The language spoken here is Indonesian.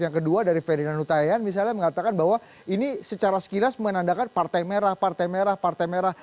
yang kedua dari ferdinand hutayan misalnya mengatakan bahwa ini secara sekilas menandakan partai merah partai merah partai merah